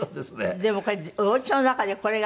でもこれお家の中でこれが。